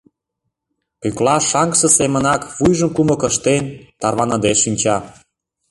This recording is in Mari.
Пӧкла шаҥгысе семынак вуйжым кумык ыштен, тарваныде шинча.